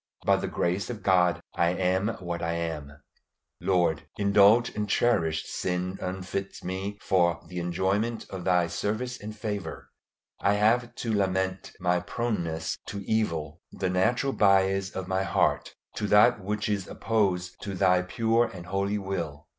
By the grace of God I am what I am. Lord, indulged and cherished sin unfits me for the enjoyment of Thy service and favor. I have to lament my proneness to evil, the natural bias of my heart to that which is opposed to Thy pure and holy will.